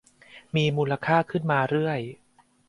มีมูลค่าขึ้นมาเรื่อย